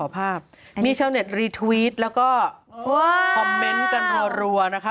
ภาพมีชาวเน็ตรีทวิตแล้วก็คอมเมนต์กันรัวนะคะ